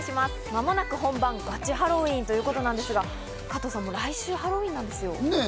間もなく本番、ガチハロウィーンということですが、加藤さん、もう来週ハロウィーンなんですよ。